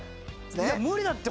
いや無理だって。